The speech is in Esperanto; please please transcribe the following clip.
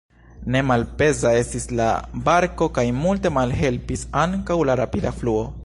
Ne malpeza estis la barko kaj multe malhelpis ankaŭ la rapida fluo.